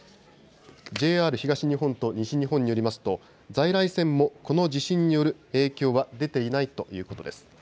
ＪＲ東日本と西日本によりますと在来線も、この地震による影響は出ていないということです。